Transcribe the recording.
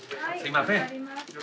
すみません